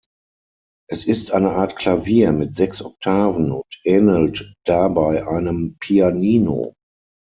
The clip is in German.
Es ist eine Art Klavier mit sechs Oktaven und ähnelt dabei einem Pianino.